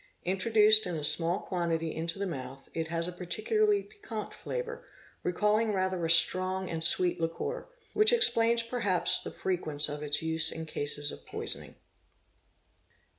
Introduced in a small quantity into the mouth it has a particularly piquant flavour, recalling rather a strong and sweet liqueur—which explains perhaps the frequence of its use in cases of poisoning.